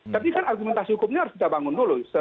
tapi kan argumentasi hukumnya harus kita bangun dulu